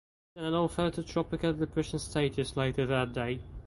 Danilo fell to tropical depression status later that day.